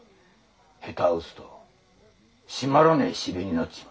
下手を打つと締まらねえ芝居になっちまう。